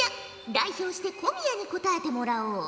代表して小宮に答えてもらおう。